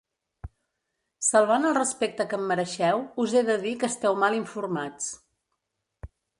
Salvant el respecte que em mereixeu, us he de dir que esteu mal informats.